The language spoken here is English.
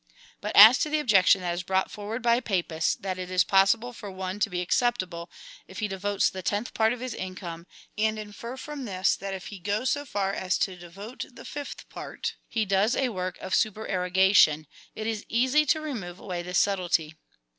But as to the objection that is brought forward by Papists, that it is possible for one to be acceptable, if he devotes the tenth part of his income, and infer from this, that if he goes so far as to devote the fifth part, he does a work of supererogation, it is easy to remove away this subtilty.